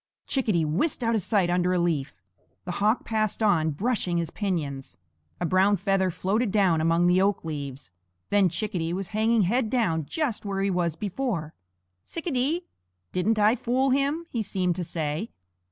Chickadee whisked out of sight under a leaf. The hawk passed on, brushing his pinions. A brown feather floated down among the oak leaves. Then Chickadee was hanging head down, just where he was before. "Tsic a dee? Didn't I fool him!" he seemed to say.